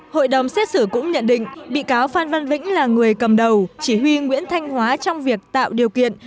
hội đồng xét xử cũng nhận định bị cáo phan văn vĩnh là người cầm đầu chỉ huy nguyễn thanh hóa trong việc tạo điều kiện